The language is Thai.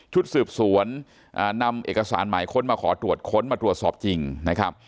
สืบสวนนำเอกสารหมายค้นมาขอตรวจค้นมาตรวจสอบจริงนะครับ